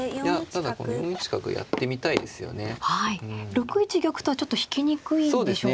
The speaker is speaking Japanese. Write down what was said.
６一玉とはちょっと引きにくいんでしょうか。